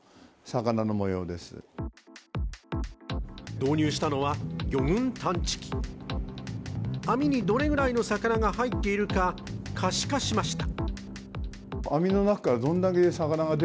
導入したのは、魚群探知機網にどれぐらいの魚が入っているか可視化しました。